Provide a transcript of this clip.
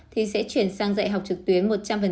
thì sẽ chuyển sang dạy học trực tuyến một trăm linh